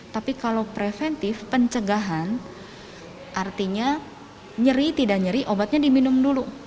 tapi kalau preventif pencegahan artinya nyeri tidak nyeri obatnya diminum dulu